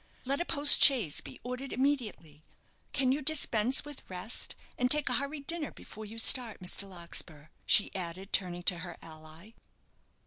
Let a post chaise be ordered immediately. Can you dispense with rest, and take a hurried dinner before you start, Mr. Larkspur?" she added, turning to her ally.